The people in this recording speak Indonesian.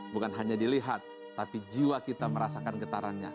bukan hanya dilihat tapi jiwa kita merasakan getarannya